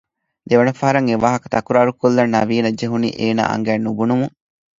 ދެވަނަ ފަހަރަށް އެވާހަކަ ތަކުރާރުކޮއްލަން ނަވީނަށް ޖެހުނީ އޭނާ އަނގައިން ނުބުނުމުން